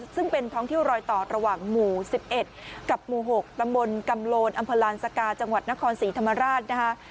ซึ่งเป็นท้องที่รอยต่อระหว่างหมู่๑๑กับหมู่๖ตำบลกำโลนอำเภอลานสกาจังหวัดนครศรีธรรมราชนะคะ